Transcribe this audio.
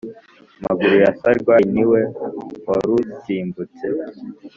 Maguru ya Sarwaya ni we warusimbutse